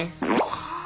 はあ！